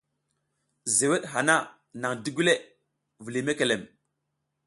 Zeweɗ hana naƞ digule, vuliy mekelem.